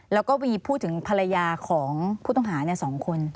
แล้วก็มีพูดถึงภรรยาของผู้ต้องหา๒คน